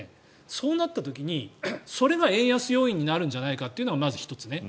そうなった時にそれが円安要因になるんじゃないかというのがまず１つね。